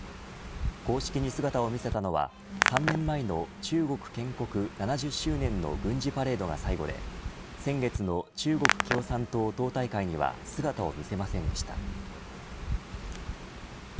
公式に姿を見せたのは３年前の中国建国７０周年の軍事パレードが最後で先月の中国共産党党大会には姿を見せませんでした。